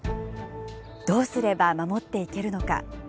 どうすれば守っていけるのか。